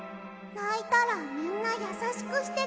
ないたらみんなやさしくしてくれるんだ！